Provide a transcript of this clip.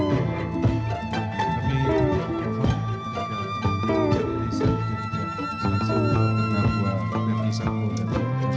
apa alasan dari saudara penonton untuk mencabar